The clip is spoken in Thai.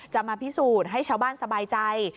จะมาพิสูจน์ให้ชาวบ้านสบายใจ